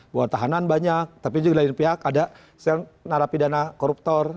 buat tahanan banyak tapi juga dari pihak ada sel narapidana koruptor